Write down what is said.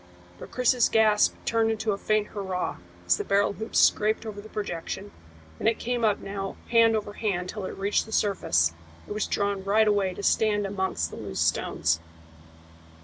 But Chris's gasp turned into a faint hurrah as the barrel hoops scraped over the projection, and it came up now hand over hand till it reached the surface and was drawn right away to stand amongst the loose stones.